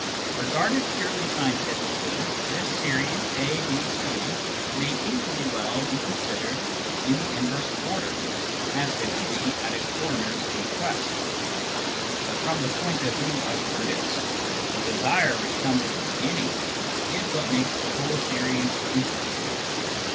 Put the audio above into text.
Regarded purely scientifically, this series A, B, C may equally well be considered in the inverse order, as they woxild be at a coroner's inquest. But from the point of view of Brutus, the desire, which comes at the beginning, is what makes the whole series interesting.